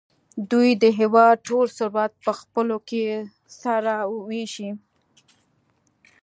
دوی د هېواد ټول ثروت په خپلو کې سره وېشي.